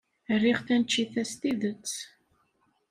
Riɣ taneččit-a s tidet.